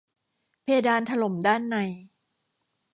เพดานถล่มด้านใน